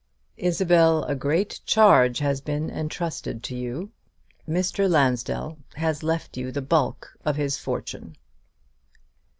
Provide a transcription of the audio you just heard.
"Isabel, a great charge has been entrusted to you. Mr. Lansdell has left you the bulk of his fortune."